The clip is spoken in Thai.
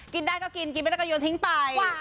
กินได้ก็กินไม่ได้ก็ยนตร์ทิ้งไป